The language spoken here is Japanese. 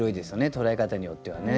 捉え方によってはね。